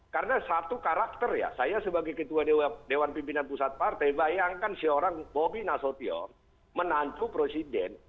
karena satu karakter ya saya sebagai ketua dewan pimpinan pusat partai bayangkan seorang bobi nasution menantu presiden